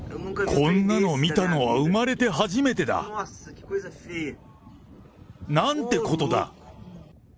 こんなの見たのは生まれて初めてだ。なんてことだ。